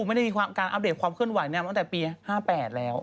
ไม่ได้มีการอัปเดตความเคลื่อนไหวตั้งแต่ปี๕๘แล้ว